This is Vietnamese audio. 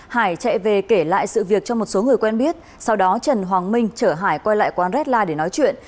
hải chạy về kể lại sự việc cho một số người quen biết sau đó trần hoàng minh chở hải quay lại quán rea để nói chuyện